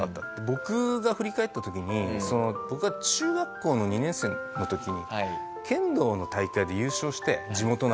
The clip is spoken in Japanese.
僕が振り返った時に僕が中学校の２年生の時に剣道の大会で優勝して地元の足利市の。